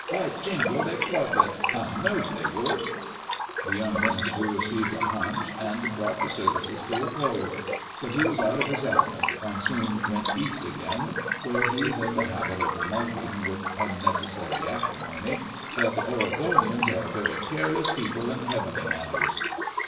By jingo, they've plugged it ! I know'd they would !" The young minister received a haunch, and brought the service to a close ; but he was out of his element, and soon " went East" again, where he is in the habit of remarking, with unnecessary acrimony, that " the Oregonians are a very careless people in heavenly matters